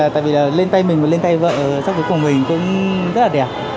tại vì lên tay mình và lên tay vợ trong cuộc cuộc mình cũng rất là đẹp